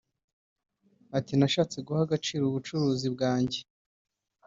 Ati”Nashatse guha agaciro ubucuruzi bwanjye